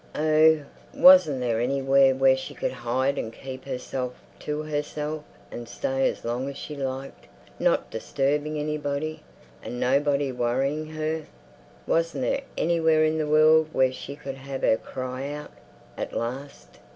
Oh, wasn't there anywhere where she could hide and keep herself to herself and stay as long as she liked, not disturbing anybody, and nobody worrying her? Wasn't there anywhere in the world where she could have her cry out—at last?